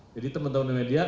jadi teman teman media